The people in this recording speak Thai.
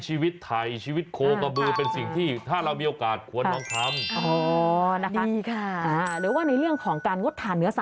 อีกหนึ่งวิธีหรือ